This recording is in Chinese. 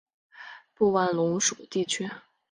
布万龙属地区。